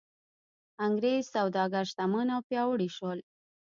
انګرېز سوداګر شتمن او پیاوړي شول.